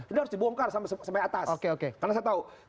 ini harus dibongkar sampai atas